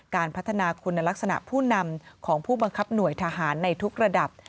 การพัฒนาคุณลักษณะผู้นำของผู้บังคับหน่วยทหารในทุกระดับ